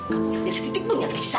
kamu lihat setitik pun yang tersisa